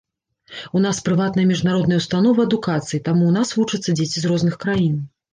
У нас прыватная міжнародная ўстанова адукацыі, таму ў нас вучацца дзеці з розных краін.